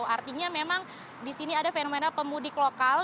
artinya memang di sini ada fenomena pemudik lokal